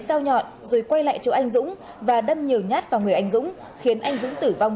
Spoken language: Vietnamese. dao nhọn rồi quay lại chỗ anh dũng và đâm nhiều nhát vào người anh dũng khiến anh dũng tử vong